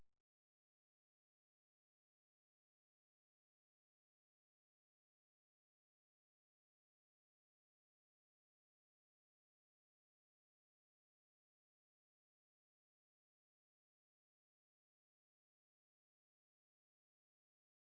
คือแข็งสรรค์